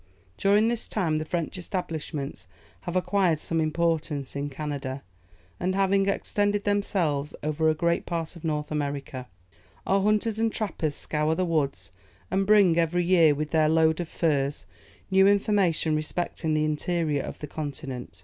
During this time, the French establishments have acquired some importance in Canada, and have extended themselves over a great part of North America. Our hunters and trappers scour the woods, and bring, every year, with their load of furs, new information respecting the interior of the continent.